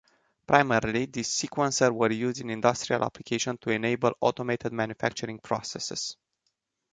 Primarily, these sequencers were used in industrial applications to enable automated manufacturing processes.